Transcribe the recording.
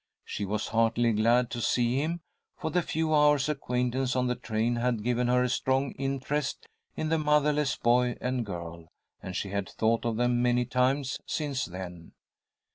She was heartily glad to see him, for the few hours' acquaintance on the train had given her a strong interest in the motherless boy and girl, and she had thought of them many times since then.